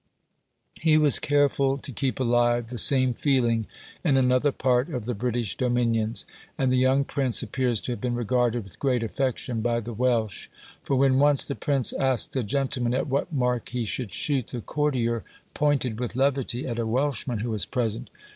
He was careful to keep alive the same feeling in another part of the British dominions; and the young prince appears to have been regarded with great affection by the Welsh; for when once the prince asked a gentleman at what mark he should shoot, the courtier pointed with levity at a Welshman who was present.